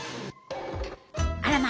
あらま！